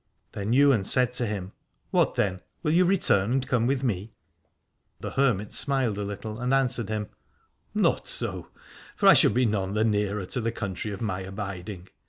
Then Ywain said to him : What then ? Will you return and come with me ? And the hermit smiled a little and answered him : Not so, for I should be none the nearer to the country of my abiding.